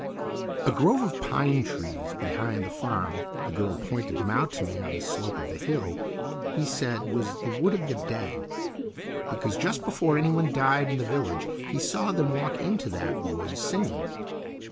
A grove of pine trees behind the farm—the girl pointed them out to me on the slope of the hill—he said was the Wood of the Dead, because just before anyone died in the village he saw them walk into that wood, singing.